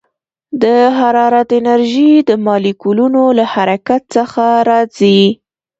د حرارت انرژي د مالیکولونو له حرکت څخه راځي.